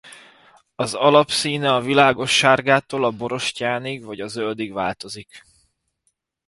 Az alapszíne a világossárgától a borostyánig vagy a zöldig változik.